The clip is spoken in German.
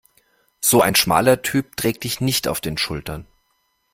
So ein schmaler Typ trägt dich nicht auf den Schultern.